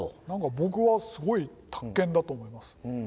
何か僕はすごい卓見だと思います。